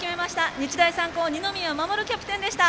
日大三高二宮士キャプテンでした。